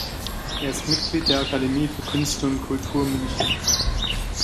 Er ist Mitglied der Akademie für Künste und Kultur München.